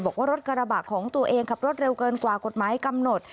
บอกว่ารถกระบะของตัวเองขับรถเร็วเกินกว่ากฎหมายกำหนด